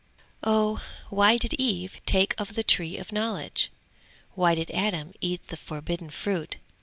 _] 'Oh, why did Eve take of the tree of knowledge? Why did Adam eat the forbidden fruit?